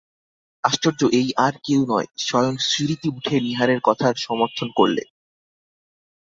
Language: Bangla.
আশ্চর্য এই, আর কেউ নয়, স্বয়ং সুরীতি উঠে নীহারের কথার সমর্থন করলে।